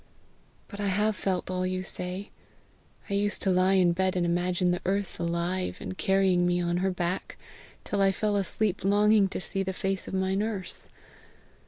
But I have felt all you say. I used to lie in bed and imagine the earth alive and carrying me on her back, till I fell asleep longing to see the face of my nurse.